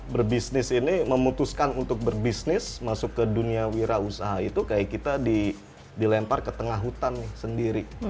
berbisnis ini memutuskan untuk berbisnis masuk ke dunia wira usaha itu kayak kita dilempar ke tengah hutan sendiri